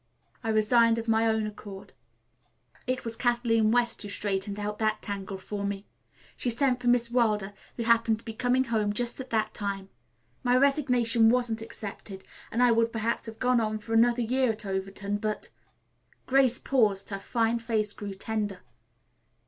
I resigned of my own accord. It was Kathleen West who straightened out that tangle for me. She sent for Miss Wilder, who happened to be coming home just at that time. My resignation wasn't accepted, and I would perhaps have gone on for another year at Overton, but " Grace paused, her fine face grew tender.